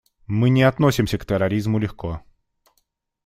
Мы не относимся к терроризму легко.